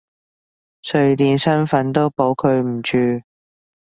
瑞典身份都保佢唔住！